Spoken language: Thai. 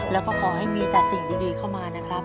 แล้วก็ขอให้มีแต่สิ่งดีเข้ามานะครับ